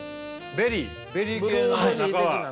ベリー系の中は。